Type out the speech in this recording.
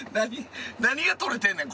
何が撮れてんねん？